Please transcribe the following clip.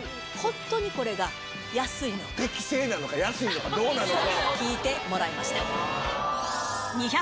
適正なのか安いのかどうなのか。